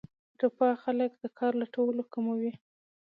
رفاه خلک د کار لټولو کموي.